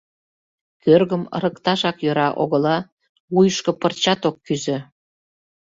Кӧргым ырыкташак йӧра огыла, вуйышко пырчат ок кӱзӧ.